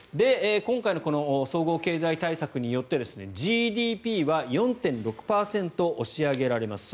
今回の総合経済対策によってＧＤＰは４．６％押し上げられます。